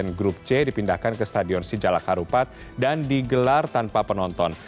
dan grup c dipindahkan ke stadion sijalak harupat dan digelar tanpa penonton